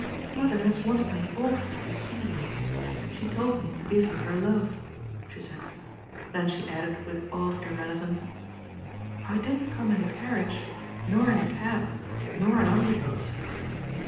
"Mother has wanted me awfully to see you. She told me to give you her love," she said. Then she added with odd irrelevance: "I didn't come in the carriage, nor in a cab nor an omnibus."